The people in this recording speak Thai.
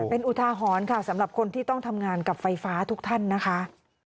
เป็นอุทาหรณ์ค่ะสำหรับคนที่ต้องทำงานกับไฟฟ้าทุกท่านนะคะ